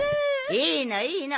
いいのいいの。